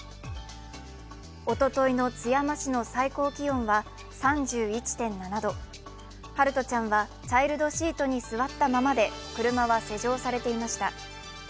おとといの津山市の最高気温は３１．７度、陽翔ちゃんはチャイルドシートに座ったままで車は施錠されていました。